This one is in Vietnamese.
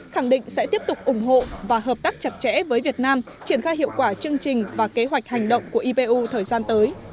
khẳng định sẽ tiếp tục ủng hộ và hợp tác chặt chẽ với việt nam triển khai hiệu quả chương trình và kế hoạch hành động của ipu thời gian tới